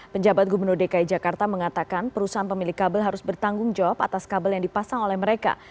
penjabat gubernur dki jakarta mengatakan perusahaan pemilik kabel harus bertanggung jawab atas kabel yang dipasang oleh mereka